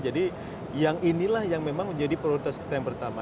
jadi yang inilah yang memang menjadi prioritas kita yang pertama